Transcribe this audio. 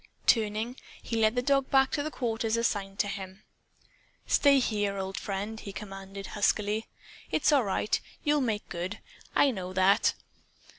Turning, he led the dog back to the quarters assigned to him. "Stay here, old friend!" he commanded, huskily. "It's all right. You'll make good. I know that.